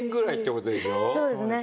そうですね